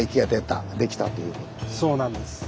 そうなんです。